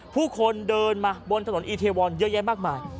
ผู้คนเดินมาบนถนนอีเทวอนเยอะแยะมากมาย